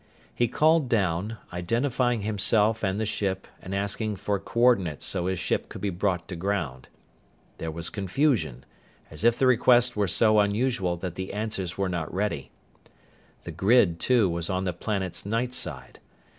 He called down, identifying himself and the ship and asking for coordinates so his ship could be brought to ground. There was confusion, as if the request were so unusual that the answers were not ready. The grid, too, was on the planet's night side.